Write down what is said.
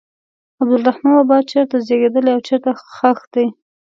عبدالرحمان بابا چېرته زیږېدلی او چیرې ښخ دی.